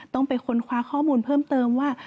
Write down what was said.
ต้องไปค้นคว้าข้อมูลเพิ่มเติมว่า